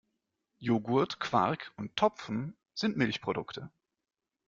Joghurt, Quark und Topfen sind Milchprodukte.